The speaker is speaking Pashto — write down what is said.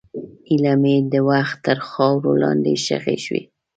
هیلې مې د وخت تر خاورو لاندې ښخې شوې.